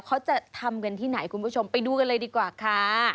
เขาจะทำกันที่ไหนคุณผู้ชมไปดูกันเลยดีกว่าค่ะ